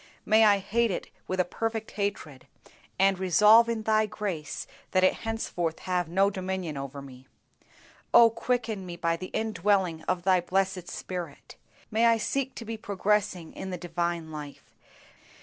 May I hate it with a perfect hatred, and resolve in Thy grace that it henceforth have no dominion over me. Oh quicken me by the indwelling of Thy blessed Spirit. May I seek to be progressing in the divine life.